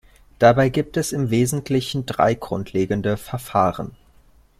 Dabei gibt es im Wesentlichen drei grundlegende Verfahren.